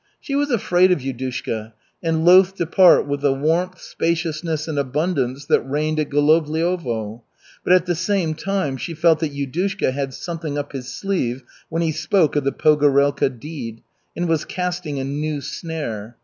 She was afraid of Yudushka, and loath to part with the warmth, spaciousness, and abundance that reigned at Golovliovo, but at the same time she felt that Yudushka had something up his sleeve when he spoke of the Pogorelka deed, and was casting a new snare.